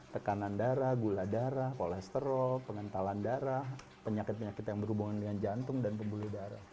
tekanan darah gula darah kolesterol pengentalan darah penyakit penyakit yang berhubungan dengan jantung dan pembuluh darah